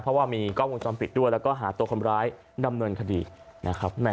ถ้าว่ามีก็วงซ้อมปิดด้วยแล้วก็หาตัวความร้ายดำเนินคดีนะครับ